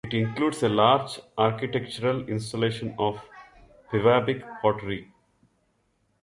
It includes a large architectural installation of Pewabic Pottery.